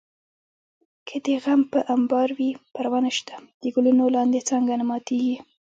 که دې غم په امبار وي پروا نشته د ګلونو لاندې څانګه نه ماتېږي